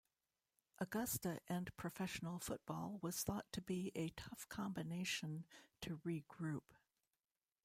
Augusta and professional football was thought to be a tough combination to regroup.